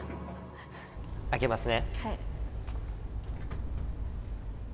開けますね。